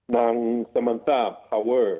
นางสมันต้าพาวเวอร์